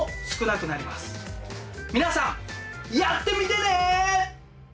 皆さんやってみてね！